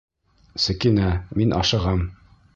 Сәкинә, мин ашығам.